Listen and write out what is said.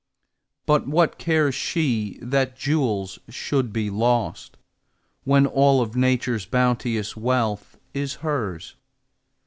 But what cares she that jewels should be lost, When all of Nature's bounteous wealth is hers?